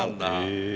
へえ。